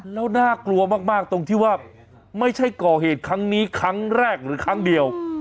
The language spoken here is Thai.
แล้วน่ากลัวมากตรงที่ว่าไม่ใช่ก่อเหตุครั้งนี้ครั้งแรกหรือครั้งเดียว